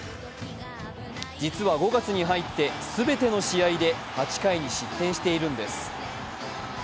実は、５月に入って全ての試合で８回に失点しているんです。